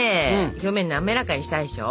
表面滑らかにしたいでしょ？